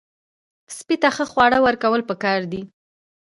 سپي ته ښه خواړه ورکول پکار دي.